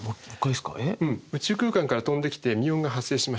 宇宙空間から飛んできてミューオンが発生しました。